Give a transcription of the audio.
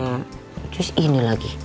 terus ini lagi